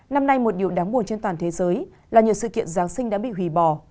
năm nay một điều đáng buồn trên toàn thế giới là nhờ sự kiện giáng sinh đã bị hủy bỏ